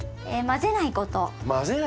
混ぜないこと。